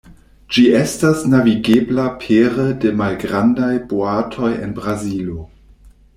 Ĝi estas navigebla pere de malgrandaj boatoj en Brazilo.